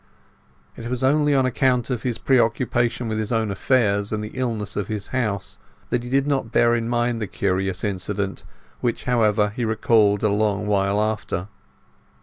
It was only on account of his preoccupation with his own affairs, and the illness in his house, that he did not bear in mind the curious incident, which, however, he recalled a long while after.